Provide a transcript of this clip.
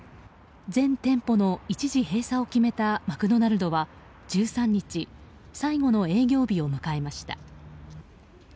全店舗の一時閉鎖を決めたマクドナルドは１３日最後の営業日を迎えました。